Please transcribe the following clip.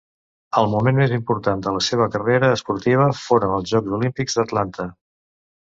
El moment més important de la seva carrera esportiva foren els Jocs Olímpics d'Atlanta.